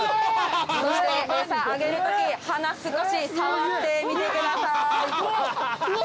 餌あげるとき鼻少し触ってみてください。